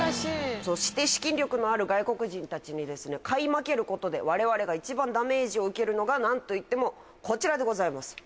そして資金力のある外国人たちにですね買い負けることで我々がいちばんダメージを受けるのがなんといってもこちらでございます。